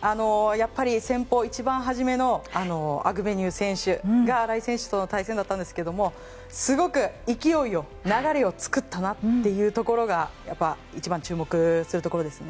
やっぱり先方一番初めのアグベニュー選手が新井選手との対戦だったんですけれどもすごく勢い、流れを作ったなというところが一番注目するところですね。